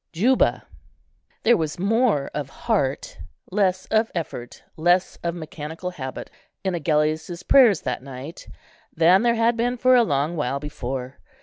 JUBA. There was more of heart, less of effort, less of mechanical habit, in Agellius's prayers that night, than there had been for a long while before.